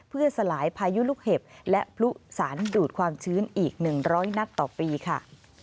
เพื่อสลายพายุลูกเห็บและพลุสารดูดความชื้นอีก๑๐๐นัดต่อปีค่ะ